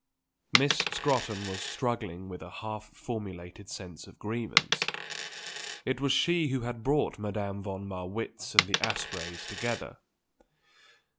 Miss Scrotton was struggling with a half formulated sense of grievance. It was she who had brought Madame von Marwitz and the Aspreys together.